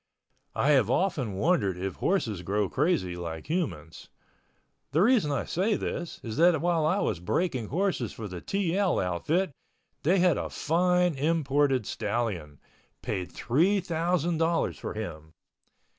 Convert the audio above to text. I have often wondered if horses go crazy like humans. The reason I say this is that while I was breaking horses for the TL outfit, they had a fine imported stallion—paid three thousand dollars for him.